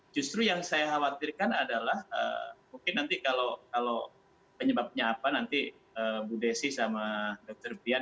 justru yang saya khawatirkan adalah mungkin nanti kalau penyebabnya apa nanti bu desi sama dr bian